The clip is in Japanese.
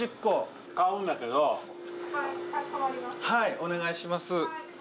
お願いします。